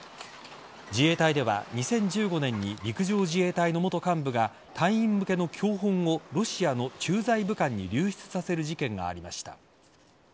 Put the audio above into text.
自衛隊では、２０１５年に陸上自衛隊の元幹部が隊員向けの教本をロシアの駐在武官に流出させる事件がありました。